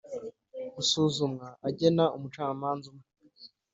Gusuzumwa agena umucamanza umwe